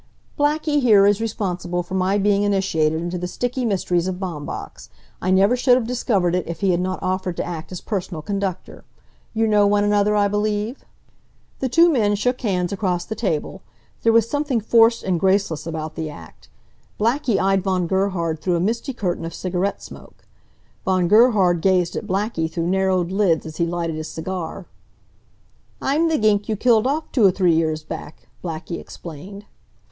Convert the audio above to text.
"Blackie here is responsible for my being initiated into the sticky mysteries of Baumbach's. I never should have discovered it if he had not offered to act as personal conductor. You know one another, I believe?" The two men shook hands across the table. There was something forced and graceless about the act. Blackie eyed Von Gerhard through a misty curtain of cigarette smoke. Von Gerhard gazed at Blackie through narrowed lids as he lighted his cigar. "I'm th' gink you killed off two or three years back," Blackie explained.